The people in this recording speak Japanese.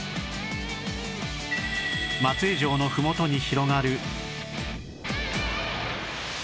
松江城のふもとに広がる